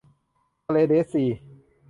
ทะเลเดดซี